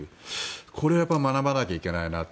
これは学ばなきゃいけないなって。